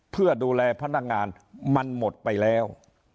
เพื่อดูแลพนักงานมันหมดไปแล้ว